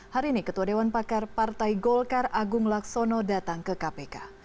hari ini ketua dewan pakar partai golkar agung laksono datang ke kpk